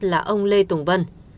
là ông lê tùng vân